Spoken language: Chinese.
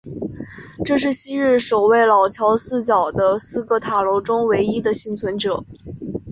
这是昔日守卫老桥四角的四个塔楼中唯一的幸存者。